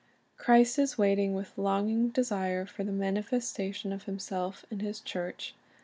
Christ is waiting with longing desire for the manifestation of Himself in His church.